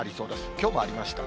きょうもありました。